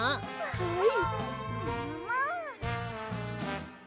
はい。